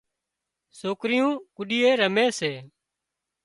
سوڪريون گڏيئي رمي سي